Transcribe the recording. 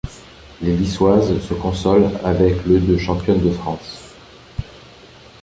Les Lyssoises se consolent avec le de Championnes de France.